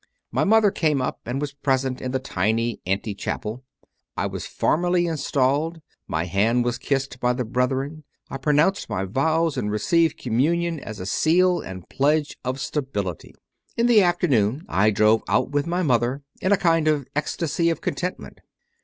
My mother came up and was present in the tiny ante chapel. I was formally installed; my hand was kissed by the brethren; I pronounced my vows and received Communion as a seal and pledge of stability. In the afternoon I drove out with my mother in a kind of ecstasy of contentment.